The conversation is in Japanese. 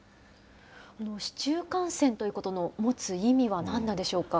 市中感染ということの持つ意味はなんなんでしょうか。